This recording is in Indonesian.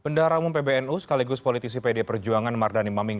bendara umum pbnu sekaligus politisi pd perjuangan mardani maming